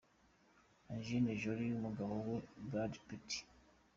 Angelina Jolie n'umugabo we Brad Pitt.